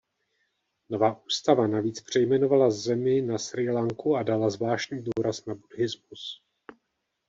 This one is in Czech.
Nová ústava navíc přejmenovala zemi na Srí Lanku a dala zvláštní důraz na buddhismus.